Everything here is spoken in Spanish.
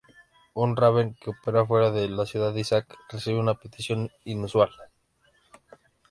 Un Raven que opera fuera de la ciudad de Isaac recibe una petición inusual.